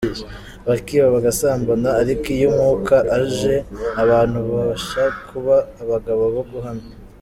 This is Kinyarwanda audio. Bakiba, bagasambana ariko iyo Umwuka aje, abantu babasha kuba abagabo bo guhamya.